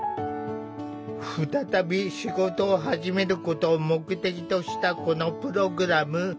再び仕事を始めることを目的としたこのプログラム。